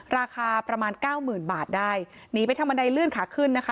ราคาประมาณเก้าหมื่นบาทได้หนีไปทางบันไดเลื่อนขาขึ้นนะคะ